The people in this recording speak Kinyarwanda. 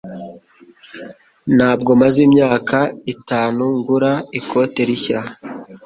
Ntabwo maze imyaka itanu ngura ikote rishya